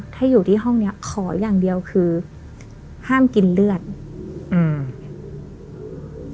ถ้าอยู่ที่ห้องเนี้ยขออย่างเดียวคือห้ามกินเลือดอืม